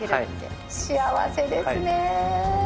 幸せですね。